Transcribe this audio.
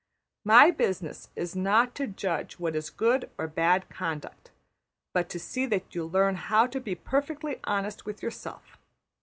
My business is not to judge what is good or bad conduct, but to see that you learn how to be perfectly honest with yourself.